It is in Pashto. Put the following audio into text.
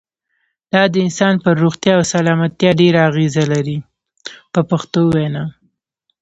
دا د انسان پر روغتیا او سلامتیا ډېره اغیزه لري په پښتو وینا.